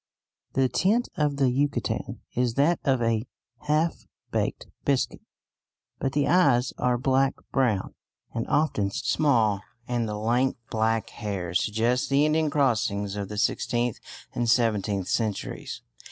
The tint of the Yucatecan is that of a half baked biscuit, but the eyes are black brown and often small, and the lank black hair suggests the Indian crossings of the sixteenth and seventeenth centuries.